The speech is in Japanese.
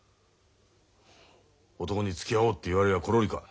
男につきあおうって言われりゃコロリか。